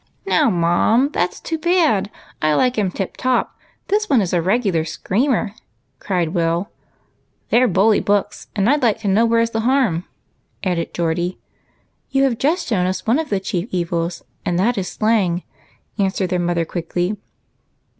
" Now, Mum, that's too bad ! I like 'era tip top. This one is a regular screamer," cried Will. "They're bully books, and I'd like to know where's the harm," added Geordie. "You have just shown us one of the chief evils, and that is slang," answered their mother quickly.